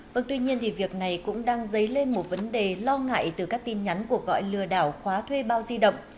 vâng tuy nhiên thì việc này cũng đang dấy lên một vấn đề lo ngại từ các tin nhắn của gọi lừa đảo khóa thuê bao di động